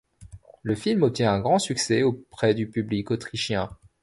Le film obtient un grand succès auprès du public autrichien.